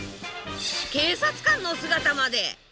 警察官の姿まで。